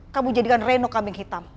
kamu jadikan reno kambing hitam